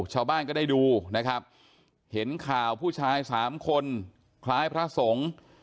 ชาวบ้านก็ได้ดูนะครับเห็นข่าวผู้ชายสามคนคล้ายพระสงฆ์